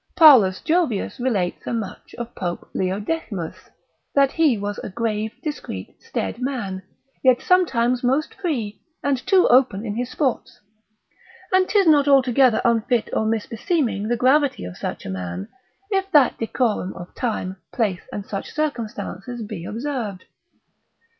Paulus Jovius relates as much of Pope Leo Decimus, that he was a grave, discreet, staid man, yet sometimes most free, and too open in his sports. And 'tis not altogether unfit or misbeseeming the gravity of such a man, if that decorum of time, place, and such circumstances be observed.